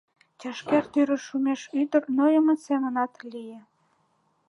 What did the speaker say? Чашкер тӱрыш шумеш ӱдыр нойымо семынат лие.